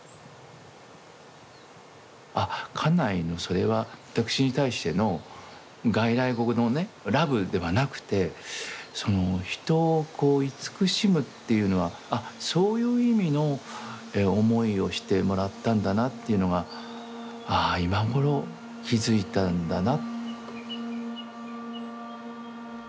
家内のそれは私に対しての外来語のねラブではなくて人をこう慈しむっていうのはそういう意味の思いをしてもらったんだなっていうのがああ今頃気付いたんだな。